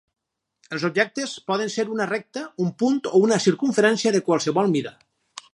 Els objectes poden ser una recta, un punt o una circumferència de qualsevol mida.